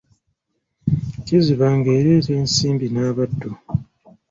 Kiziba, ng'ereeta ensimbi n'abaddu.